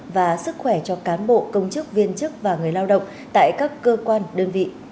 và sức khỏe cho cán bộ công chức viên chức và người lao động tại các cơ quan đơn vị